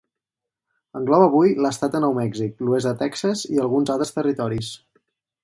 Engloba avui l'Estat de Nou Mèxic, l'oest de Texas i alguns altres territoris.